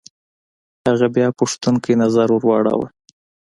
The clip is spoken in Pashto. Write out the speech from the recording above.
هغه بيا پوښتونکی نظر ور واړوه.